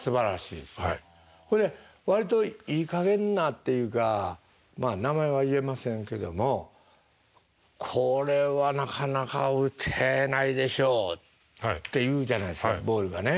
割といいかげんなっていうかまあ名前は言えませんけどもこれはなかなか打てないでしょうって言うじゃないですかボールがね。